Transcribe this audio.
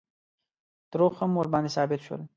دروغ هم ورباندې ثابت شول.